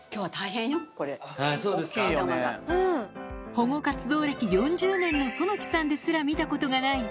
保護活動歴４０年の其木さんですら見たことがない